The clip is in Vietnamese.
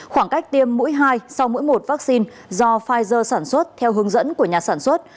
khoảng cách tiêm mũi hai sau mỗi một vaccine do pfizer sản xuất theo hướng dẫn của nhà sản xuất